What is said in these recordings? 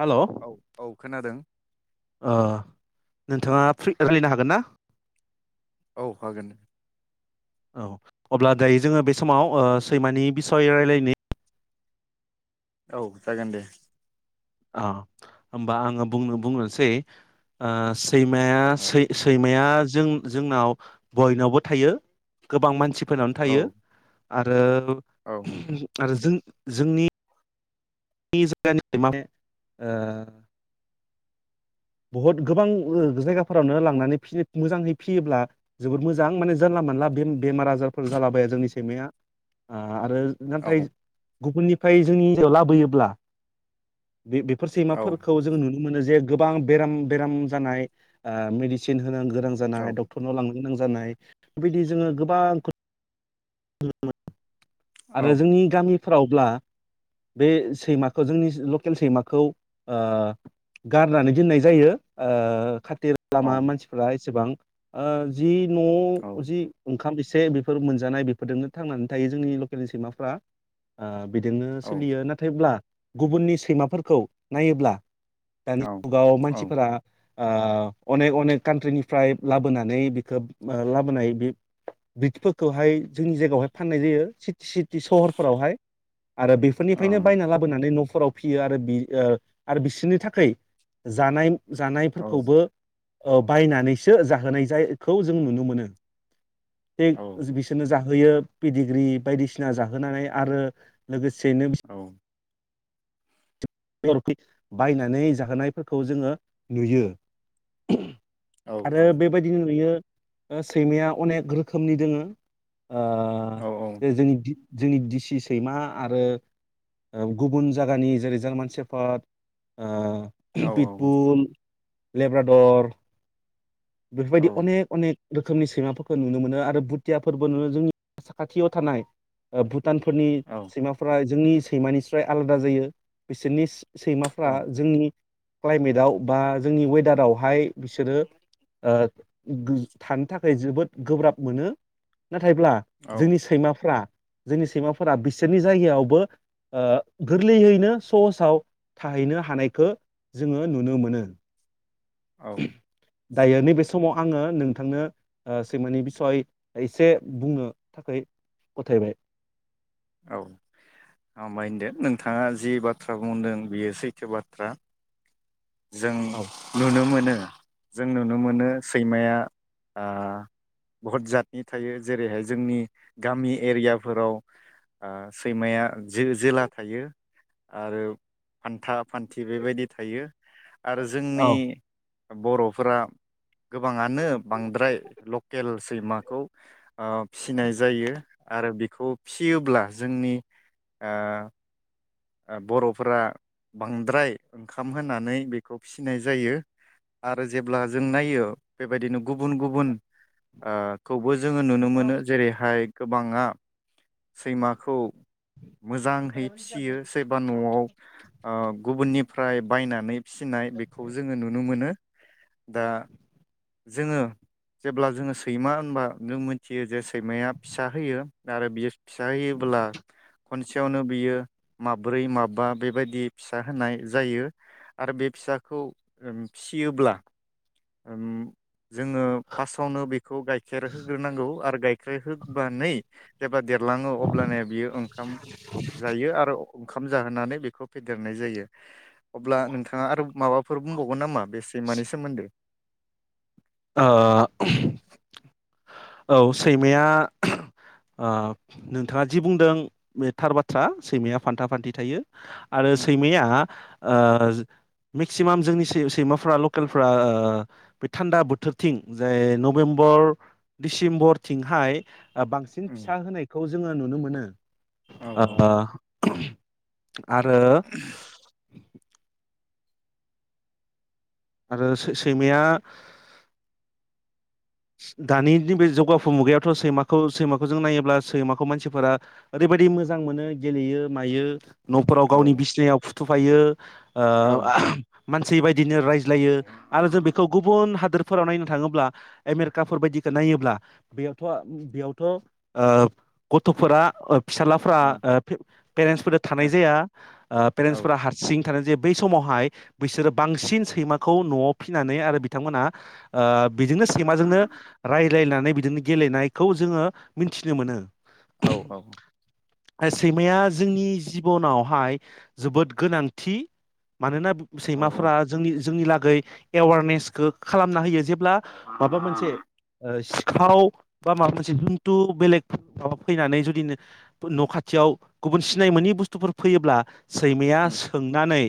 हेल' औ औ खोनादों। ओ नोंथाङा फ्रि रायलायनो हागोन ना? औ हागोन दे। औ अब्ला दायो जोङो बे समाव ओ सैमानि बिसय रायज्लायनायनि। औ जागोन दे। अ होमबा आङो बुंनो बुंनोसै ओ सैमाया औ सै सैमाया जों जोंनाव बयनावबो थायो गोबां मानसि फोरनावनो औ थायो। आरो औ आरो जों जोंनि जोंनि जायगानि मोने ओ बहुत गोबां जायगाफोरावनो लांनानै फि मोजाङै फियोब्ला जोबोद मोजां माने जानला मानला बे बेमार आजारफोर जालाबाया जोंनि सैमाया आरो औ नाथाइ गुबुननिफ्राय जोंनियाव लाबोयोब्ला। बे बेफोर औ सैमाफोरखौ जों नुनो मोनो जे गो गोबां बेराम बेराम जानाय ओ मेदिसिन होनांगौ गो गोनां जानाय औ डक्टरनाव लां गोनां जानाय बेबायदि जोङो गोबां [unintelligible] औ आरो जोंनि गामि फोरावब्ला बे सैमाखौ जोंनि लकेल सैमाखौ ओ गारनानै दोननाय जायो ओ खा थेर औ खालामा मानसिफ्रा एसेबां ओ जि नआव जि ओंखाम से बेफोर मोनजानाय बेफो फोरजोंनो थांनानै थायो जोंनि लकेलनि सैमाफ्रा ओ बिदिनो सोलियो नाथायब्ला गुबुननि सैमाफोरखौ नायोब्ला दानि जुगाव मानसिफोरा ओ अनेक अनेक कान्ट्रिनिफ्राय लाबोनानै बिख लाबोनाय बे ब्रिटसफोरखौहाय जोंनि जायगायावहाय फाननाय जायो। सिटि सहरफोरावहाय आरो बेफोरनिफ्रायनो बायना लाबोनानै नफो फोराव फियो आरो बि आरो बिसोरनि थाखाय जानाय। जानायफोरखौबो ओ बायनानैसो जाहोनाय जायखौ जों नुनो मोनो। बे औ जाहोयो पिडिग्रि बायदिसिना जाहोनानै आरो लोगोसे एसेनो बरफि बायनानै जाहोनायफोरखौ जोङो नुयो। आरो बेबायदिनो नुयो सैमाया अनेक रोखोमनि दोङो ओ बे जोंनि जोंनि दिसि सैमा आरो गुबुन जायगानि जेरै जारमान सेफट ओ पिपुल लेब्राडर बेफोरबायदि अनेक अनेक रोखोमनि सैमाफोरखौ नुनो मोनो आरो भुथिया फोरबो नुयो जोंनि साखाथियाव थानाय भुटानफोरनि सैमाफोरा जोंनि सैमानिसाय आलादा जायो बिसोरनि सैमाफ्रा जोंनि क्लाइमेटआव बा जोंनि वेदारावहाय बिसोरो ओ थानो थाखाय जोबोद गोब्राब मोनो नाथायब्ला जोंनि सैमाफ्रा जोंनि सैमाफोरा बिसोरनि जायगायावबो ओ गोरलैयैनो सहसाव थाहैनो हानायखो जोङो नुनो मोनो। औ। दायो नैबे समाव आङो नोंथांनो सेैमानि बिसय एसे बुंनो थाखै गथायबाय। औ हामबाय होनदो नोंथाङा जि बाथ्रा बुंदों बियो सैथो बाथ्रा जों औ नुनो मोनो जों नुनो मोनो सैमाया ओ बहुत जातनि थायो जेरैहाय जोंनि गामि एरियाफोराव ओ सैमाया जो जोला थायो आरो फान्था फान्थि बेबायदि थायो आरो जोंनि औ बर'फोरा गोबाङानो बांद्राय लकेल सैमाखौ ओ फिनाय जायो आरो खौ फिसियोब्ला जोंनि ओ बर'फोरा बांद्राय ओंखाम होनानै बेखौ फिनाय जायो आरो जेब्ला जों नायो बेबायदिनो गुबुन गुबुन ओ खौबो जोङो नुनो मोनो जेरैहाय गोबाङा सैमाखौ मोजांहै फिसियो सोरबा न'आव ओ गुबुननि ओमफ्राय बायनानै फिसिनाय बेखौ जोङो नुनो मोनो दा। जोङो जेब्ला जोङो सैमा होनबा जों मोनथियो जे सैमाया फिसा होयो आरो बियो फिसा होयोब्ला खनसेयावनो बियो माब्रै माबबा बेबायदि फिसा होनाय जायो आरो बे फिसाखौ फियोब्ला ओम। जोङो फार्स्टआवनो बेखौ गाइखेर होग्रोनांगौ आरो गाइखेर होबानै ब्ला देरलाङो अब्लानो बियो ओंखाम जायो आरो ओंखाम जाहोनानै बेखौ फेदेरनाय जायो अब्ला नोंथाङा आरो माबाफोर बुंबावगोन नामा बेसे मानि सोमोन्दो ओ। औ सैमाया ओ नोंथाङा जि बुंदों बे थार बाथ्रा सैमाया फान्था फान्थि थायो आरो उम सैमाया ओ मेक्सिमाम जोंनि सैमाफ्रा लकेलफ्रा ओ बे थान्दा बोथोरथिं जाय नभेम्बर डिसेम्बरथिंहाय बांसिन फिसा होनायखौ जोङो नुनो मोनो औ नो। आ। आरो आरो सै सैमाया दानि बे जौगाफु मुगायावथ सैमाखौ सैमाखौ जों नायोब्ला सैमाखौ मानसिफोरा ओरैबायदि मोजां मोनो गेलेयो मायो न'फोराव औ गावनि ओ बिसिनायाव फुथुब फायो। ओ मानसै बाय बिदिनो रायज्लायो आरो जों बेखौ गुबुन हादोरफोराव नायनो थाङोब्ला आमेरिकाफोर बदिखौ नायोब्ला बेयावथ बेयावथ ओ गथ'फोरा फिसालाफोरा औ पेरेन्टसफोरजों थानाय जाया पेरेन्टसफोरा हारसिं थानाय जायो बै समावहाय बैसोरो बांसिन सैमाखौ न'आव फिसिनानै आरो बिथांमोना बिदिनो सैमाजोंनो रायलायनानै बिदिनो गेलेनायखौ जोङो मिथिनो मोनो। औ औ। सैमाया जोंनि जिबनावहाय जोबोद गोनांथि मानोना औ औ सैमाफोरा जोंनि जोंनि ला एवारनेसखौ खालामना होयो जेब्ला माबा मोनसे सिखाव बा माबा मोनसे जुनथु बेलेग माबा फैनानै जुदि न' खाथियाव गुबुन सिनाय मोनि बुस्थुफोर फैयोब्ला सैमाया उम सोंनानै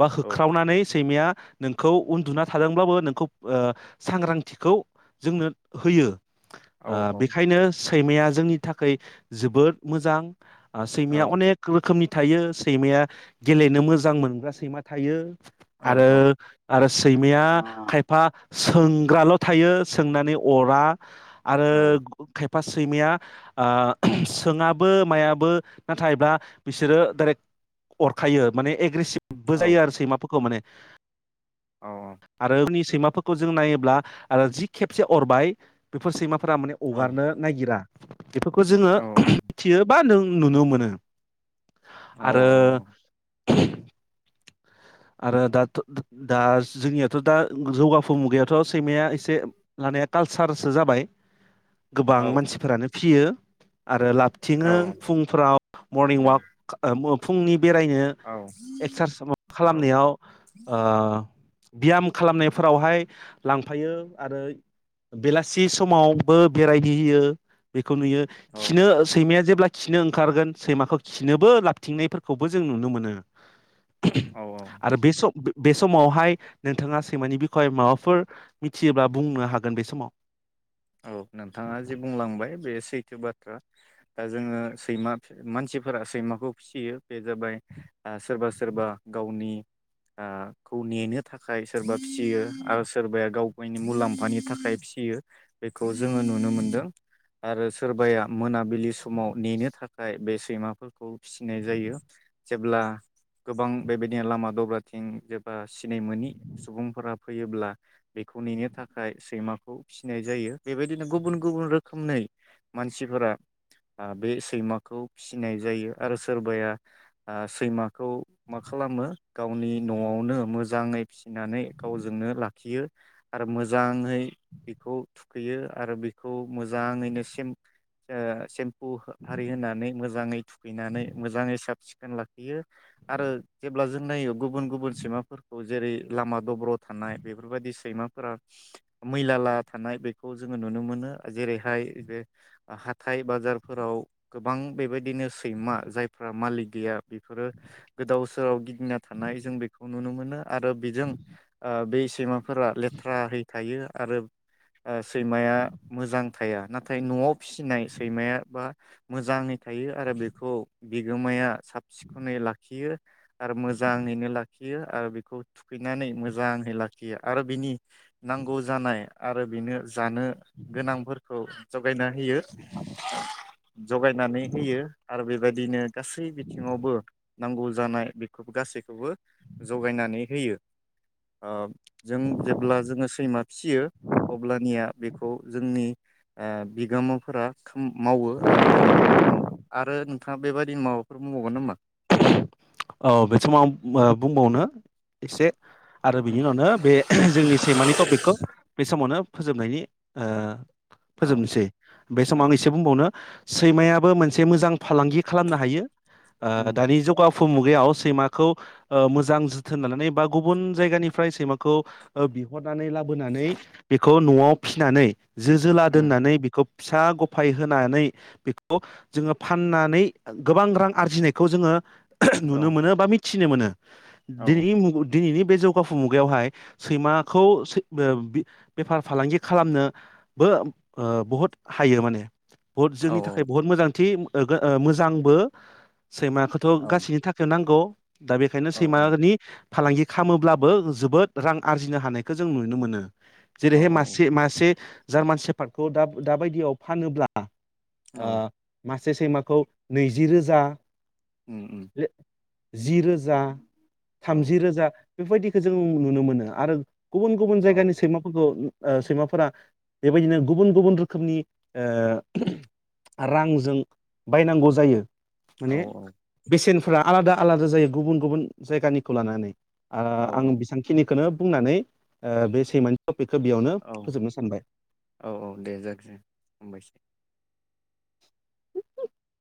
बा औ होख्रावनानै सैमाया नोंखौ उन्दुना थादोंब्लाबो नोंखौ ओ सांग्रां थिखौ जोंनो होयो औ ओ बेखायनो सैमाया जोंनि थाखै जोबोद मोजां ओ औ सैमाया अनेक रोखोमनि थायो सैमाया गेलेनो मोजां मोनग्रा सैमा थायो औ आरो आरो सैमाया खायफा सोंग्राल थायो सोंनानै अरा आरो औ खायफा बा सैमाया सोङाबो मायाबो नाथायबा बिसोरो डाइरेक्ट अरखायो माने एग्रेसिभ बोजायो आरो सैमाफोरखौ माने औ आरोनि सैमाफोरखौ जों नायोब्ला आरो जि खेबसे अरबाय बेफोर सैमाफोरा फोरा माने अगारनो नायगिरा बेफोरखौ जोङो औ मिथियो बा नों नुनो मोनो आरो आरो दाथ दा जोंनियाथ दा जौगाफु मुगायावथ सैमाया एसे लानाया कालसारसो जाबाय गोबां मानसिफोरानो फ्रियो आरो लाबथिङो फुंफ्राव मरनिं ववाक फुंनि बेरायनो एक्सारस खालामनायाव ओ ब्याम खालामनायफोरावहाय लांफायो आरो बेलासि समावबो बेरायबिहैयो नुयो औ खिनो सैमाया जेबो ब्ला खिनो ओंखारगोन सैमाखौ खिनोबो लाबथिंनायफोरखौबो जों नुनो मोनो औ आरो बे सम बे समावहाय नोंथाङा सैमानि बिखय माबाफोर मिथियोब्ला बुंनो हागोन बे समाव औ नोंथाङा जि बुंलांबाय बे सैथो बाथ्रा दा जोङो सैमा मानसिफोरा सैमाखौ फिसियो बे जाबाय सोरबा सोरबा गावनिखौ नेनो थाखाय सोरबा फिसियो आरो सोरबाया गाव गावनि मुलाम्फानि थाखाय फिसियो बेखौज जोङो नुनो मोनदों। आरो सोरबाया मोनाबिलि समाव नेनो थाखाय बे सैमाफोरखौ फिसिनाय जायो। जेब्ला गोबां बेबायदिनो लामा दब्रा थिं जेबा सिनाय मोनोनि सुबुंफोरा फैयोब्ला बेखौ नेनो थाखाय सैमाखौ फिनाय जायो बेबायदिनो गुबुन गुबुन रोखोमै मानसिफोरा आ बे सैमाखौ फिसिनाय जायो आरो सोरबाया सैमाखौ मा खालामो गावनि नआवनो मोजाङै फिसिनानै गावजोंनो लाखियो आरो मोजाङै बेखौ थुखैयो आरो बेखौ मोजाङैनो सेम ओ सेम खौ हारि होननानै मोज मोजाङै थुखैनानै मोजाङै साब सिखोन लाखैयो आरो जेब्ला जों नायो गुबुन गुबुन सैमाफोरखौ जेरै लामा दब्रयाव थानाय बेफोरबायदि सैमाफोरा मैला ला थानाय बेखौ जोङो नुनो मोनो जेरैहाय बे हाथाइ बाजारफोराव गोबां बेबायदिनो सैमा जायफ्रा मालिक गैया बेफोरो गोदाव सोराव गिदिंना थानाय जों बेखौ नुनो मोनो आरो बेजों ओ बे सैमाफोरा लेथ्रााहै थायो आरो ओ सैमाया मोजां थाया नाथाय नआव फिसिनाय सैमायाबा मोजाङै थायो आरो बेखौ बिगोमाया साब सिखोनै लाखियो आरो मोजाङैनो लाखियो आरो बेखौ थुखैनानै मोजाङै लाखियो आरो बिनि नांगौ जानाय आरो बेनो जानो गोनांफोरखौ [unintelligible] होयो जगायनानै होयो आरो बेबायदिनो गासै बिथिङावबो नांगौ जानाय बेखौ गासैखौबो जगायनानै होयो ओ जों जेब्ला जोङो सैमा फिसियो। अब्लानिया बेखौ जोंनि ओ बिगोमाफोरा उम मावो आरो बेबायदि खालामो आरो नोंथाङा बेबायदिनो माबाफोर बुंबावगोन नामा? औ बे समाव ओब ओ बुंबावनो इसे आरो बिनि उनावनो बे जोंनि सैमानि टपिकखौ बे समावनो फोजोबनायनि ओ औ फोजोबनोसै बे समाव औ आं इसे बुंबावनो। सैमायाबो मोनसे मोजां फालांगि खालामनो हायो। ओ उम दानि जौगाफु फु मुगायाव सैमाखौ ओ मोजां जोथोन लानानै बा गुबुन जायगानिफ्राय सैमाखौ ओ बिहरनानै लाबोनानै बेखौ नआव फिनानै जो जोला उम दोननानै बेखौ फिसा गफाय होनानै बेखौ जोङो फाननानै गोबां रां आरजिनायखौ जोङो औ नुनो मोनो बा मिथ थिनो मोनो। औ दिनैनि मुग दिनैनिब बे जौगाफु मुगायावहाय सैमाखौ सै बो बि बेफार फालांगि खालामनोबो ओ बुहुद हायो माने बहुत औ जोंनि थाखाय बहुत मोजांथि। ओ गो ओ मोजांबो सैमा औ गासैनि थाखाय नांगौ। दा बेखायनो औ सैमागोनि फालांगि खामोब्लाबो जोबोद रां आरजिनो हानायखौ जों नुनो मोनो। औ जेरैहाय मासे औ मासे जार्मान सेपार्टखौ दा-दाबायदियाव फानोब्ला औ ओ मास से सैमाखौ नैजि रोजा उम उम। जि रोजा। औ थामजि रोजा। बेफोरबायदिखो जों नुनो मोनो आरो गुबुन गुबुन जायगानि सैमाफोरखौ नु ओ सैमाफोरा बेबायदिनो गुबुन गुबुन रोखोमनि [unintelligible] ओ रांजों बायनांगौ जायो। औ औ। सेनफ्रा आलादा आलादा जायो गुबुन गुबुन जायगानिखौ लानानै। आ औ आं बेसांखिनिखोनो बुंनानै ओ बे सैमानि तप औ औ औ दे जागोन हामबायसै।